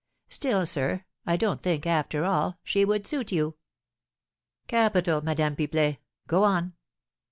Still, sir, I don't think, after all, she would suit you.'" "Capital, Madame Pipelet; go on."